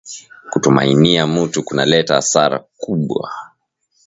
Kutumainia mutu kuna leta asara kubwa